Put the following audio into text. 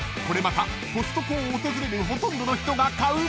［これまたコストコを訪れるほとんどの人が買うパン］